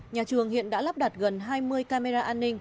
nhà trường hiện đã lắp đặt gần hai mươi camera an ninh